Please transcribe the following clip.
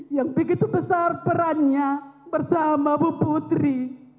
yang begitu besar perannya bersama bu putri